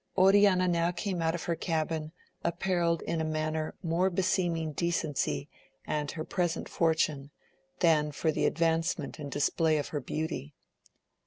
Oriana now came out of her cabin, apparelled in a manner more beseeming decency and her present for tune, than for the advancement and display of her beauty.